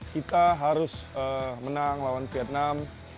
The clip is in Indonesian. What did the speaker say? kita harus menang lawan vietnam